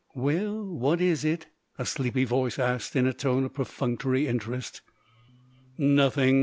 "Well, what is it?" a sleepy voice asked in a tone of perfunctory interest. "Nothing!